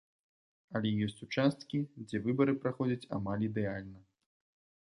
Але ёсць участкі, дзе выбары праходзяць амаль ідэальна.